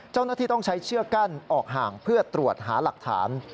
เจ้าหน้าที่ต้องใช้เชือกกั้นออกห่างเพื่อตรวจหาหลักฐาน